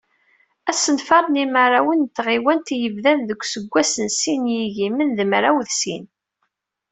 Asenfar n yinarayen n tɣiwant, i yebdan deg useggas n sin yigiman d mraw d sin.